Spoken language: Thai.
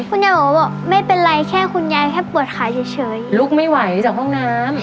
คุณยายบอกว่าไม่เป็นไรแค่คุณยายแค่เปิดขายเฉยลุกไม่ไหวจากห้องน้ำ